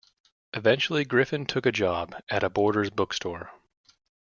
Eventually, Griffin took a job at a Borders bookstore.